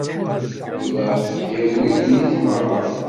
Lebraq iḍwi ddunit merra.